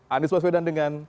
anies baswedan dengan